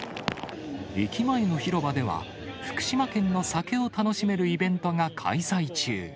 駅前の広場では、福島県の酒を楽しめるイベントが開催中。